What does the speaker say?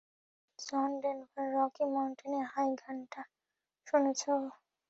জন ডেনভারের Rocky Mountain High গানটা শুনেছ?